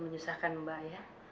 menyusahkan mbak ya